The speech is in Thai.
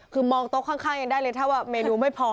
คือมองโต๊ะข้างยังได้เลยถ้าว่าเมนูไม่พอ